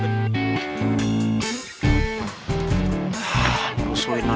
kalian udah hadirwon